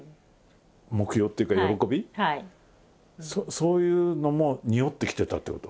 そういうのもにおってきてたということ？